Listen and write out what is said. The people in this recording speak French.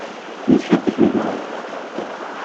Tu es sûr que tu aimeras.